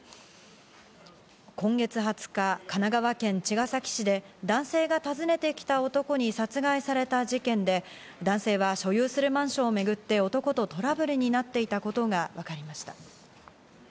今月２０日、神奈川県茅ヶ崎市で、男性が訪ねてきた男に殺害された事件で、男性が所有するマンションをめぐって、男とトラブルになっていたことがわかりました。